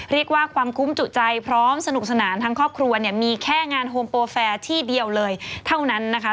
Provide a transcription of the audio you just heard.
เรียกว่าความคุ้มจุใจพร้อมสนุกสนานทั้งครอบครัวเนี่ยมีแค่งานโฮมโปรแฟร์ที่เดียวเลยเท่านั้นนะคะ